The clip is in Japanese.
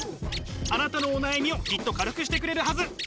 あなたのお悩みをきっと軽くしてくれるはず。